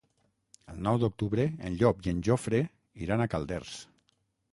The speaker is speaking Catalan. El nou d'octubre en Llop i en Jofre iran a Calders.